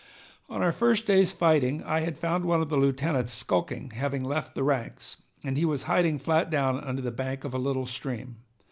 On our first day's fighting I had found one of the lieutenants skulking, having left the ranks, and he was hiding flat down under the bank of a little stream.